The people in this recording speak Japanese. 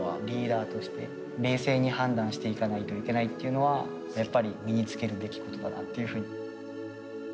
リーダーとして冷静に判断していかないといけないっていうのはやっぱり身につけるべきことだなっていうふうに。